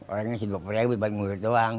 orangnya masih dua puluh baru murid doang